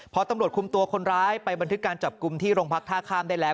พอตำรวจคุมตัวคนร้ายไปบันทึกการจับกลุ่มที่โรงพักท่าข้ามได้แล้ว